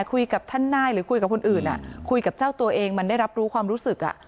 คุยกับท่านนายหรือคุยกับคนอื่นคุยกับเจ้าตัวเองมันได้รับรู้ความรู้สึกอ่ะ